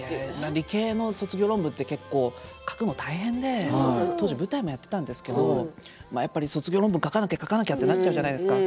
理系の卒論って書くのが大変で、当時舞台もやっていたんですけど卒業論文を書かなきゃってなっちゃうじゃないですか